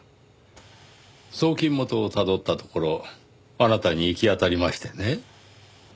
送金元をたどったところあなたに行き当たりましてね。